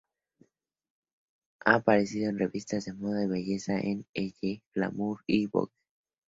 Ha aparecido en revistas de moda y belleza como Elle, Glamour y Vogue.